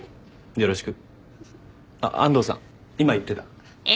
よろしく。